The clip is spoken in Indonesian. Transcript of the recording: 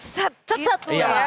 set set tuh ya